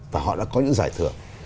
và họ đã có những giải thưởng